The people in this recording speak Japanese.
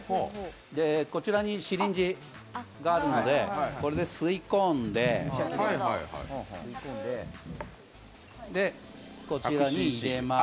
こちらにシリンジがあるのでこれで吸い込んでこちらに入れます。